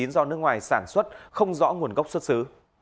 do nước ngoài sản xuất không rõ nguồn gốc xuất xứ